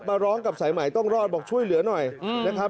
ร้องกับสายใหม่ต้องรอดบอกช่วยเหลือหน่อยนะครับ